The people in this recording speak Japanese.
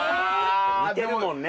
似てるもんね。